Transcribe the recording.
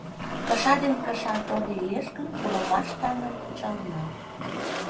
Кыша ден кыша тор лиеш гын, Курымаш таҥым кучалына.